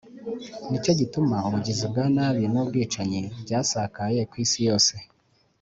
ni cyo gituma ubugizi bwa nabi n’ubwicanyi byasakaye ku isi yose,